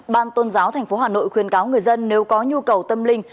ban tôn giáo tp hà nội khuyên cáo người dân nếu có nhu cầu tâm linh